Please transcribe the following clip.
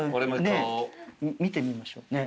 見てみましょうね。